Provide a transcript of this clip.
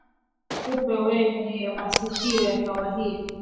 Kupe wenye masikio ya kahawia